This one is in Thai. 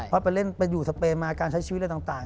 เพราะไปเล่นไปอยู่สเปนมาการใช้ชีวิตอะไรต่าง